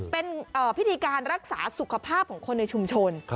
เป็นพิธีการรักษาสุขภาพของคนในชุมชน